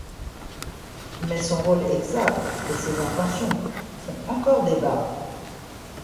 Mais son rôle exact et ses intentions font encore débat.